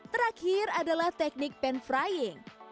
terakhir adalah teknik pan frying